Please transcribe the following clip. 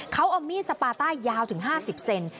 เขาเอามีดสปาต้ายาวถึง๕๐เซน